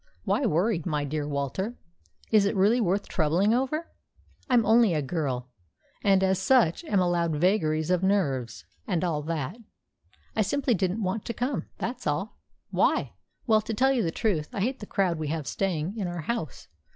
"Why worry, my dear Walter? Is it really worth troubling over? I'm only a girl, and, as such, am allowed vagaries of nerves and all that. I simply didn't want to come, that's all." "Why?" "Well, to tell you the truth, I hate the crowd we have staying in our house.